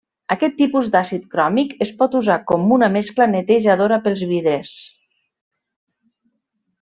Aquest tipus d'àcid cròmic es pot usar com una mescla netejadora pels vidres.